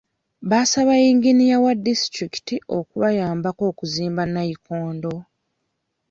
Baasaaba yinginiya wa disitulikiti okubayambako okuzimba nnayikondo.